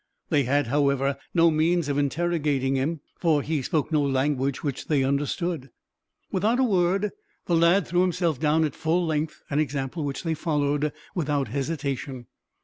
They had, however, no means of interrogating him, for he spoke no language which they understood. Without a word, the lad threw himself down at full length, an example which they followed without hesitation.